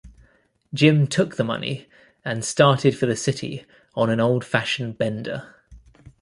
Jim took the money, and started for the city on an old fashioned bender.